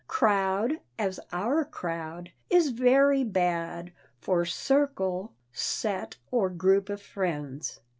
"Crowd," as "our crowd," is very bad for "circle," "set" or "group of friends."